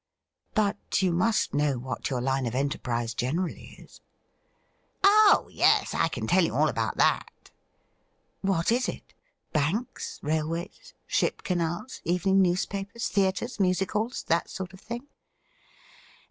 'But you must know what your line of enterprise generally is ?'' Oh yes ; I can tell you all about that.' ' What is it ? banks, railways, ship canals, evening news papers, theatres, music halls — ^that sort of thing